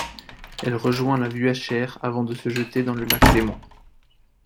Elle rejoint la Vuachère avant de se jeter dans le lac Léman.